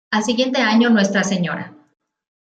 Al siguiente año, Nuestra Sra.